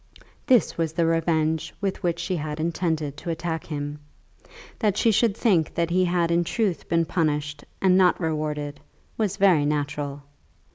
This was the revenge with which she had intended to attack him. That she should think that he had in truth been punished and not rewarded, was very natural.